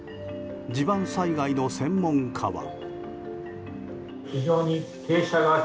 地盤災害の専門家は。